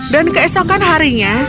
dan keesokan harinya